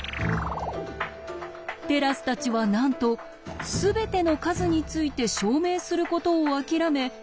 テラスたちはなんと「すべての数」について証明することを諦め